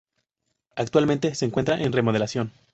Actualmente se encuentra en remodelación.